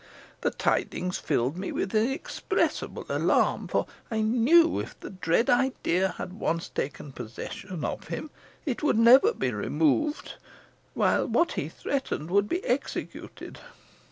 The tidings filled me with inexpressible alarm; for I knew, if the dread idea had once taken possession of him, it would never be removed, while what he threatened would be executed.